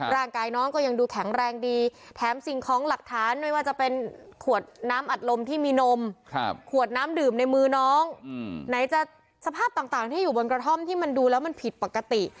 ร่างกายน้องก็ยังดูแข็งแรงดีแถมสิ่งของหลักฐานไม่ว่าจะเป็นขวดน้ำอัดลมที่มีนมขวดน้ำดื่มในมือน้องไหนจะสภาพต่างที่อยู่บนกระท่อมที่มันดูแล้วมันผิดปกติ